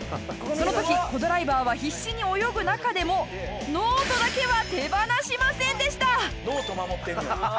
その時コ・ドライバーは必死に泳ぐ中でもノートだけは手放しませんでした！